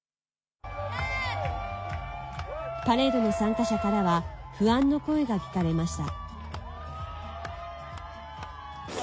パレードの参加者からは不安の声が聞かれました。